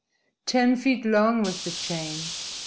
Ten feet long was the chain.